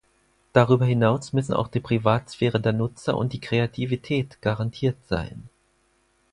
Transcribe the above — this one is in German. Darüber hinaus müssen auch die Privatsphäre der Nutzer und die Kreativität garantiert sein.